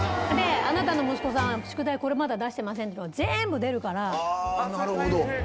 で、あなたの息子さんは宿題、これまだ出してませんとか、全部出るかなるほど。